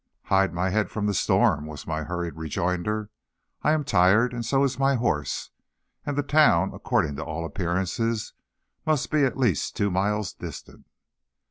"Hide my head from the storm," was my hurried rejoinder. "I am tired, and so is my horse, and the town, according to all appearances, must be at least two miles distant."